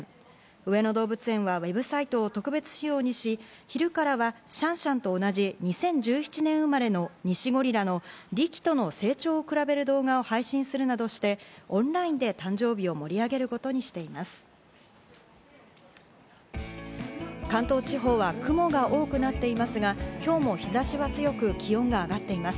上野動物園はウェブサイトを特別仕様にし、昼からはシャンシャンと同じ、２０１７年生まれのニシゴリラのリキとの成長を比べる動画を配信するなどして、オンラインで誕生関東地方は雲が多くなっていますが、今日も日差しは強く気温が上がっています。